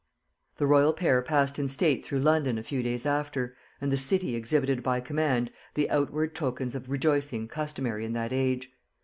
The royal pair passed in state through London a few days after, and the city exhibited by command the outward tokens of rejoicing customary in that age.